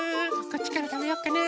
こっちからたべようかな。